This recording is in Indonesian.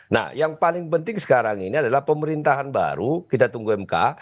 nah yang paling penting sekarang ini adalah pemerintahan baru kita tunggu mk